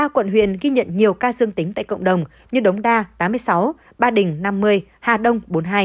ba quận huyện ghi nhận nhiều ca dương tính tại cộng đồng như đống đa tám mươi sáu ba đình năm mươi hà đông bốn mươi hai